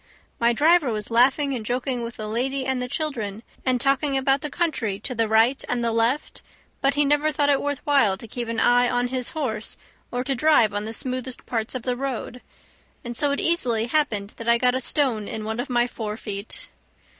My driver was laughing and joking with the lady and the children, and talking about the country to the right and the left; but he never thought it worth while to keep an eye on his horse or to drive on the smoothest parts of the road; and so it easily happened that I got a stone in one of my fore feet.